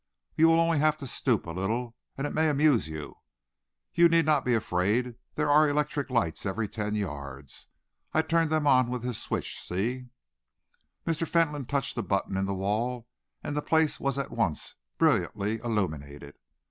You will only have to stoop a little, and it may amuse you. You need not be afraid. There are electric lights every ten yards. I turn them on with this switch see." Mr. Fentolin touched a button in the wall, and the place was at once brilliantly illuminated.